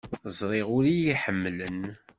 Ẓriɣ ur iyi-ḥemmlen.